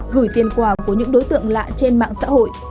gửi tiền quà của những đối tượng lạ trên mạng xã hội